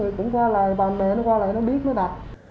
rồi mấy người cũng qua lại bà mẹ nó qua lại nó biết mới đặt